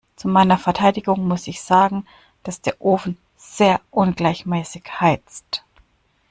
Zu meiner Verteidigung muss ich sagen, dass der Ofen sehr ungleichmäßig heizt.